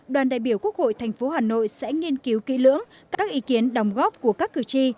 đoàn đại biểu quốc hội tp hà nội sẽ nghiên cứu kỹ lưỡng các ý kiến đồng góp của các cử tri